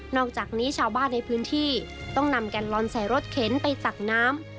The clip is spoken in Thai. อกจากนี้ชาวบ้านในพื้นที่ต้องนำแกนลอนใส่รถเข็นไปสักน้ำ